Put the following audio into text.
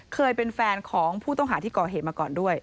เคยเป็นแฟนของผู้ต้องหาที่ก่อเหตุมาก่อนด้วย